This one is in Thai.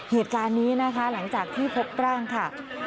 เหตุการณ์นี้นะคะหลังจากที่พบร่างค่ะ